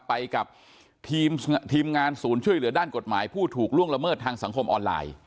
ไปกับทีมงานศูนย์ช่วยเหลือด้านกฎหมายผู้ถูกล่วงละเมิดทางสังคมออนไลน์